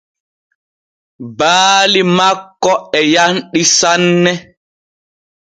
Baali makko e yanɗi sane.